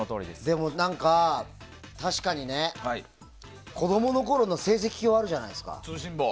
確かにね、子供のころの成績表あるじゃないですか。